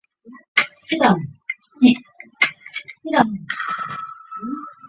展枝玉叶金花为茜草科玉叶金花属下的一个种。